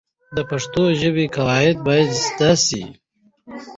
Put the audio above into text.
د پښتو ژبې قواعد باید زده سي.